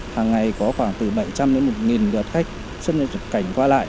hàng ngày có khoảng từ bảy trăm linh đến một đợt khách xuất cảnh qua lại